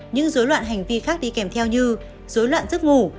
những dối loạn hành vi khác đi kèm theo như dối loạn giấc ngủ